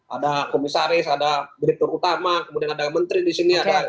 ada komisaris ada direktur utama kemudian ada menteri disini